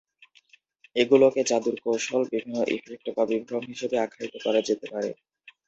এগুলোকে জাদুর কৌশল, বিভিন্ন ইফেক্ট বা বিভ্রম হিসেবে আখ্যায়িত করা যেতে পারে।